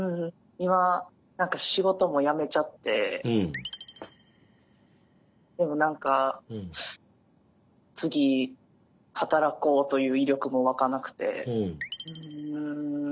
今何か仕事も辞めちゃってでも何か次働こうという意欲もわかなくてうん。